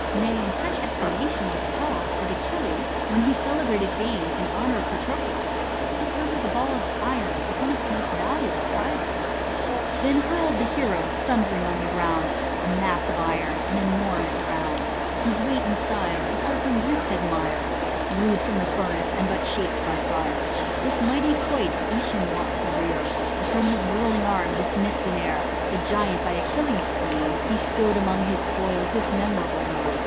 Nay, in such estimation was it held, that Achilles, when he celebrated games in honour of Pa * trocles, proposes a ball of iron as one of his most va» luable prizes. «" Tlien hurl'd the hero, thundering on the ground, A mass of iron (an enormous round), "Whose weight and size the circling Greeks admire, Rude from the furnace and hut shaped hy fire. This mighty quoit JEtion wont to rear, And from his whirling arm dismiss'd in air ; The giant hy Achilles slain, he stow'd Among his spoils this memorable load.